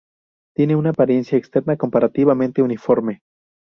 Tienen una apariencia externa comparativamente uniforme.